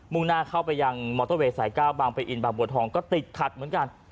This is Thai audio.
่งหน้าเข้าไปยังมอเตอร์เวย์สาย๙บางปะอินบางบัวทองก็ติดขัดเหมือนกัน